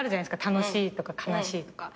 楽しいとか悲しいとか。